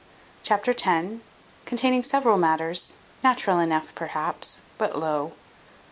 Chapter x. Containing several matters, natural enough perhaps, but low.